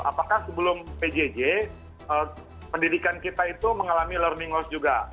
apakah sebelum pjj pendidikan kita itu mengalami learning loss juga